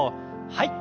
はい。